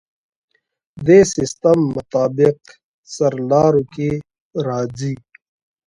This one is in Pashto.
دې سیستم مطابق سرلارو کې راځي.